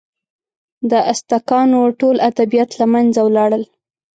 د ازتکانو ټول ادبیات له منځه ولاړل.